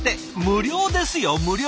無料ですよ無料！